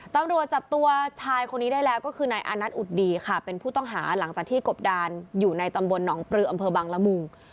ตำรวจจับตัวชายคนนี้ได้แล้วก็คือนายอานัทอุดดีค่ะเป็นผู้ต้องหาหลังจากที่กบดานอยู่ในตำบลหนองปลืออำเภอบังละมุง